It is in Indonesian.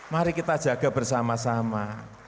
mari kita jaga bersama sama